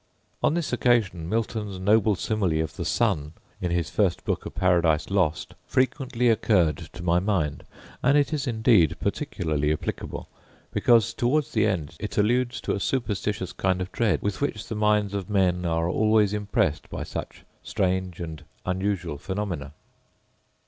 On this occasion Milton's noble simile of the sun, in his first book of Paradise Lost, frequency occurred to my mind; and it is indeed particularly applicable, because, towards the end, it alludes to a superstitious kind of dread, with which the minds of men are always impressed by such strange and unusual phaenomena.